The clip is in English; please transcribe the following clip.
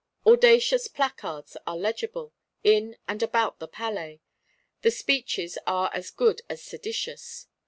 Audacious placards are legible, in and about the Palais, the speeches are as good as seditious.